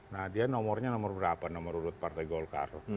nah dia nomornya nomor berapa nomor urut partai golkar